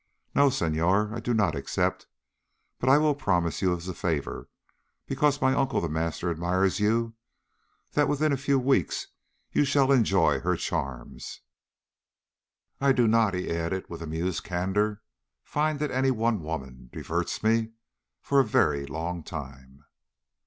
"No, Senhor. I do not accept. But I will promise you as a favor, because my uncle The Master admires you, that within a few weeks you shall enjoy her charms. I do not," he added with amused candor, "find that any one woman diverts me for a very long time."